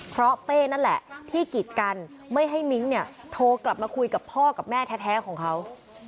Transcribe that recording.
เพราะเป้นั่นแหละที่กิดกันไม่ให้มิ้งเนี่ยโทรกลับมาคุยกับพ่อกับแม่แท้ของเขา